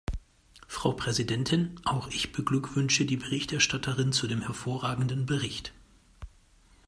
Frau Präsidentin, auch ich beglückwünsche die Berichterstatterin zu dem hervorragenden Bericht.